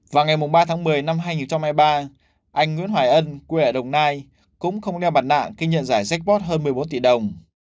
vào ngày ba tháng một mươi năm hai nghìn hai mươi ba anh nguyễn hoài ân quê ở đồng nai cũng không đeo mặt nạ khi nhận giải rác bót hơn một mươi bốn tỷ đồng